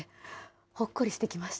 ほっこりしてきました。